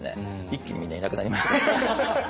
一気にみんないなくなりまして。